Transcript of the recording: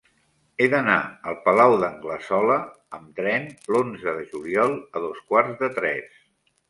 He d'anar al Palau d'Anglesola amb tren l'onze de juliol a dos quarts de tres.